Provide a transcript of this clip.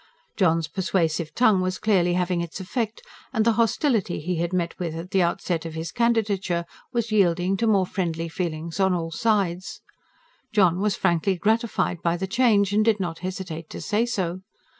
John's persuasive tongue was clearly having its effect, and the hostility he had met with at the outset of his candidature was yielding to more friendly feelings on all sides. John was frankly gratified by the change, and did not hesitate to say so.